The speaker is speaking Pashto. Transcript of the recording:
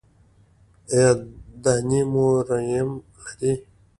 ایا دانې مو ریم لري؟